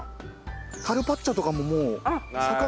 カルパッチョとかももう魚にかけて。